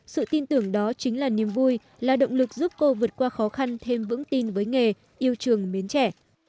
sự tin tưởng đó chính là niềm vui là động lực giúp cô vượt qua khó khăn thêm vững tin với nghề yêu trường mến trẻ